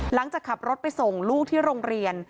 หลังจากขับรถไปส่งลูกที่โรงเรียน